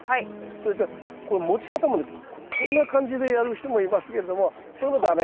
それとこの持ち方もねこんな感じでやる人もいますけどもこれも駄目。